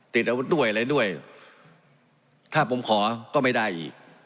ติดอาวุธด้วยอะไรด้วยถ้าผมขอก็ไม่ได้อีก